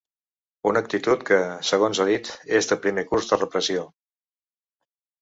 Una actitud que, segons ha dit, és de primer curs de repressió.